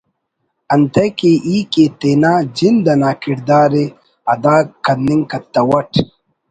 انتئے کہ ای کہ تینا جند انا کڑدار ءِ ادا کننگ کتوٹ